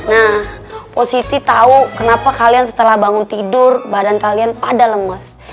nah posisi tahu kenapa kalian setelah bangun tidur badan kalian pada lemas